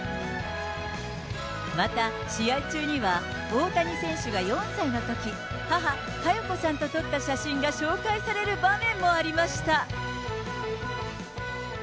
また、試合中には、大谷選手が４歳のとき、母、加代子さんと撮った写真が紹介される場面もありました。